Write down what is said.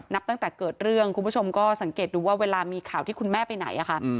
ตั้งแต่เกิดเรื่องคุณผู้ชมก็สังเกตดูว่าเวลามีข่าวที่คุณแม่ไปไหน